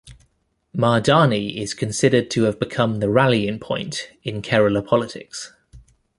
Mahdani is considered to have become the rallying point in Kerala politics.